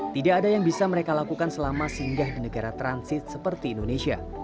tidak ada yang bisa mereka lakukan selama singgah di negara transit seperti indonesia